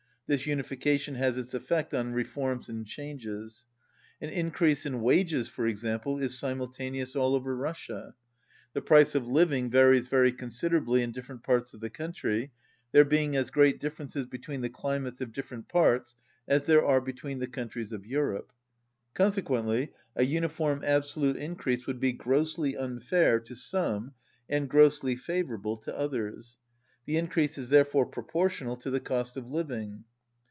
This unification has its effect on reforms and changes. An increase in wages, for example, is simultaneous all over Russia. The price of living varies very considerably in different parts of the country, there being as great differences between the cli mates of different parts as there are between the countries of Europe. Consequently a uniform absolute increase would be grossly unfair to some and grossly favourable to others. The increase is therefore proportional to the cost of living.